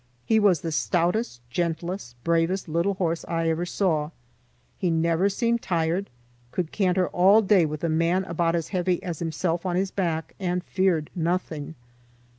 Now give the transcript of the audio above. He was the stoutest, gentlest, bravest little horse I ever saw. He never seemed tired, could canter all day with a man about as heavy as himself on his back, and feared nothing.